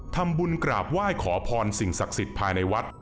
ทำบุญกราบไหว้ขอพรสิ่งศักดิ์สิทธิ์ภายในวัด